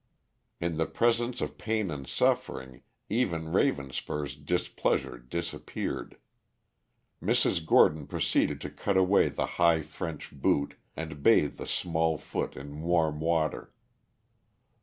In the presence of pain and suffering even Ravenspur's displeasure disappeared. Mrs. Gordon proceeded to cut away the high French boot and bathe the small foot in warm water.